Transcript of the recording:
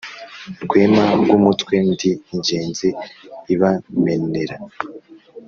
Rwema rw’umutwe ndi ingenzi ibamenera.